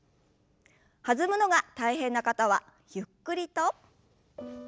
弾むのが大変な方はゆっくりと。